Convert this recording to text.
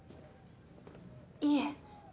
いえ。